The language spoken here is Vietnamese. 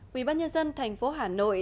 quý bác nhân dân thành phố hà nội